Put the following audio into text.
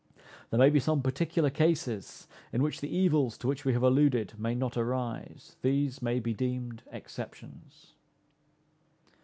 There may be some particular cases in which the evils to which we have alluded may not arise; these may be deemed exceptions.